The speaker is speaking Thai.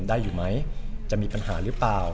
ได้อยู่ไหมจะมีปัญหาหรือเปล่า